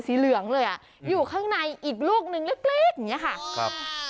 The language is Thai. เหลืองเลยอ่ะอยู่ข้างในอีกลูกหนึ่งเล็กเล็กอย่างเงี้ยค่ะครับ